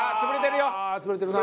潰れてるな。